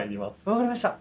分かりました。